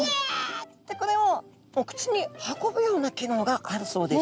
ってこれをお口に運ぶような機能があるそうです。